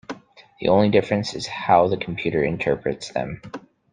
The only difference is how the computer interprets them.